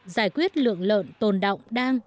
giải quyết lượng lợn tồn động